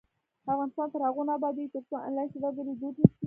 افغانستان تر هغو نه ابادیږي، ترڅو آنلاین سوداګري دود نشي.